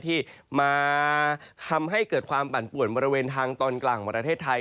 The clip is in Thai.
ที่มาทำให้เกิดความปั่นป่วนบริเวณทางตอนกลางของประเทศไทย